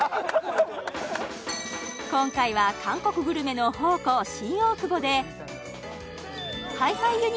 今回は韓国グルメの宝庫新大久保でＨｉ−ＦｉＵｎ！